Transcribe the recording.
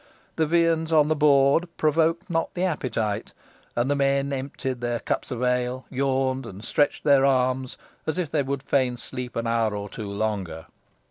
The viands on the board provoked not the appetite, and the men emptied their cups of ale, yawned and stretched their arms, as if they would fain sleep an hour or two longer.